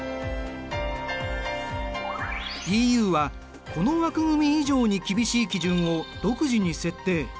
ＥＵはこの枠組み以上に厳しい基準を独自に設定。